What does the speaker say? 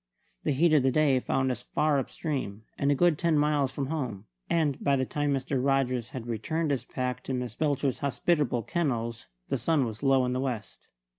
The heat of the day found us far up stream, and a good ten miles from home; and by the time Mr. Rogers had returned his pack to Miss Belcher's hospitable kennels the sun was low in the west.